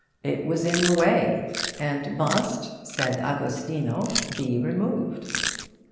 It was in the way, and must (said Agostino) be removed.